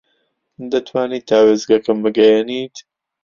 دەتوانیت تا وێستگەکەم بگەیەنیت؟